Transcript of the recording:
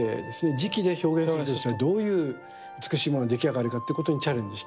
磁器で表現するとしたらどういう美しいものに出来上がるかということにチャレンジしていた。